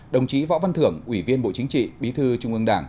đồng chí võ văn thưởng ủy viên bộ chính trị bí thư trung ương đảng